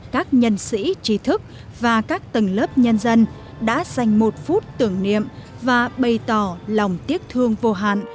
các nhân sĩ trí thức và các tầng lớp nhân dân đã dành một phút tưởng niệm và bày tỏ lòng tiếc thương vô hạn